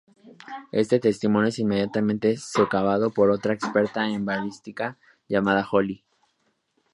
Este testimonio es inmediatamente socavado por otra experta en balística llamada Holly.